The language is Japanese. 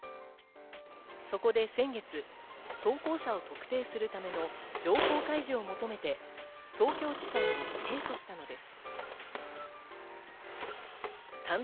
そこで先月、投稿者を特定するための情報開示を求めて東京地裁に提訴したのです。